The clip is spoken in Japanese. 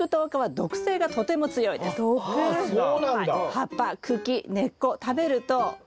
葉っぱ茎根っこ食べると嘔吐します。